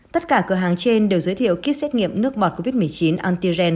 tất cả cửa hàng trên đều giới thiệu kit xét nghiệm nước ngọt covid một mươi chín antigen